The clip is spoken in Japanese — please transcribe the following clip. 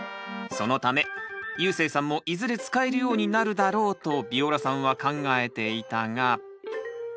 そのためゆうせいさんもいずれ使えるようになるだろうとビオラさんは考えていたが。